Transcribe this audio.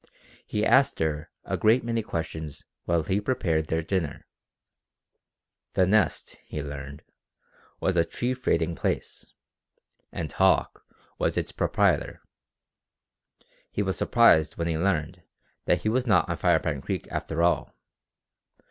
He asked her a great many questions while he prepared their dinner. The Nest, he learned, was a free trading place, and Hauck was its proprietor. He was surprised when he learned that he was not on Firepan Creek after all.